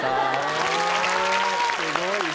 すごいね。